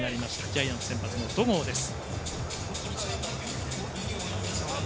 ジャイアンツ先発の戸郷です。